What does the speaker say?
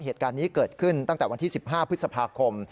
เหตุการณ์นี้เกิดขึ้นตั้งแต่วันที่๑๕พฤษภาคม